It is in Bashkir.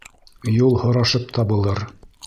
Юл һорашып табылыр.